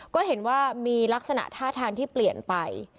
ก็เห็นว่ามีลักษณะท่าทางที่เปลี่ยนไป